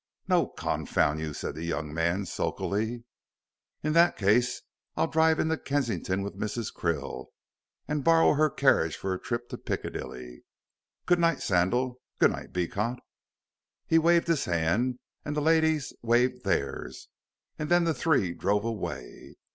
"No, confound you!" said the young man, sulkily. "In that case I'll drive into Kensington with Mrs. Krill, and borrow her carriage for a trip to Piccadilly. Good night, Sandal. Good night, Beecot." He waved his hand, and the ladies waved theirs, and then the three drove away.